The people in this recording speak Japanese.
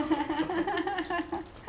ハハハハハ。